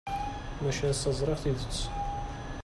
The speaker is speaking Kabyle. Maca ass-a ẓriɣ tidet.